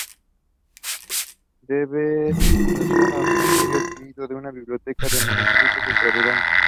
Desde su fundación, el monasterio adquirió una biblioteca de manuscritos extravagantes.